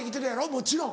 もちろん。